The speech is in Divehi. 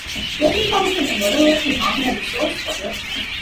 ޔަގީންވާގޮތުން އެ މޮޑެލްއަކީ މާހިރާގެ ޝޯ ސްޕޮޓަރު